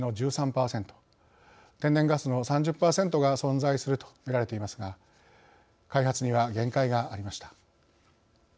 天然ガスの３０％が存在するとみられていますが開発には限界がありました。